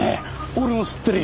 俺も吸ってるよ。